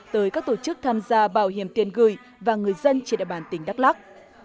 tới các tổ chức tham gia bảo hiểm tiền gửi và người dân trên đại bản tỉnh đắk lắc